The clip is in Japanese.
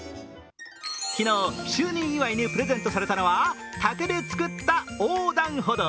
昨日、就任祝いにプレゼントされたのは竹で作った横断歩道。